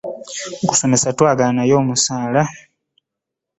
Okusomesa twagala naye omusaala!